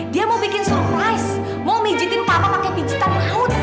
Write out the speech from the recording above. dia mau bikin surprise mau mijitin papa pakai pijitan laut